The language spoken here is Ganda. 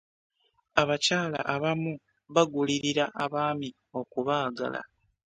abakyala abamu bagulirira abaami okubaagala.